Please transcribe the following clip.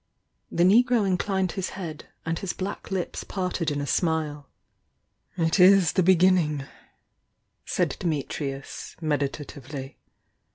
The negro inclined his head, and his black lips parted in a smile. "It is the beginningi" said Dimitrius, meditative ly.